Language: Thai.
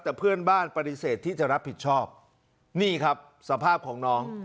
แต่เพื่อนบ้านปฏิเสธที่จะรับผิดชอบนี่ครับสภาพของน้อง